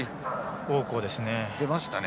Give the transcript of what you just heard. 王浩ですね。